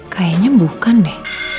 kayaknya bukan deh